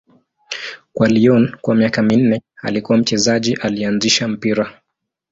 Kwa Lyon kwa miaka minne, alikuwa mchezaji aliyeanzisha mpira.